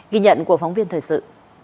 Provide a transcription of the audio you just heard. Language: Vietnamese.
ghi nhận của phóng viên thời sự